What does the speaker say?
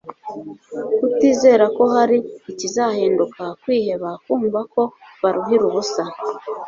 kutizera ko hari ikizahinduka, kwiheba , kumva ko baruhira ubusa